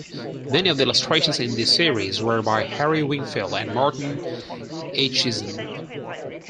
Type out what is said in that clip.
Many of the illustrations in this series were by Harry Wingfield and Martin Aitchison.